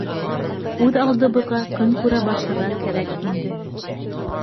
Үҙ алдыбыҙға көн күрә башларға кәрәк инде.